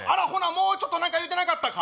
もうちょっと何か言うてなかったか？